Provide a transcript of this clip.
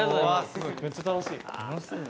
めっちゃ楽しい。